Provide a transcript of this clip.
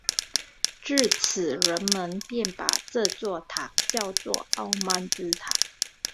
自此人们便把这座塔叫作傲慢之塔。